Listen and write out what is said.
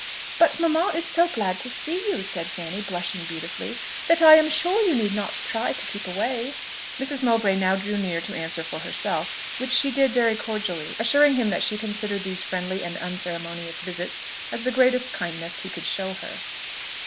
"But mamma is so glad to see you," said Fanny, blushing beautifully, "that I am sure you need not try to keep away!" Mrs. Mowbray now drew near to answer for herself; which she did very cordially, assuring him that she considered these friendly and unceremonious visits as the greatest kindness he could show her.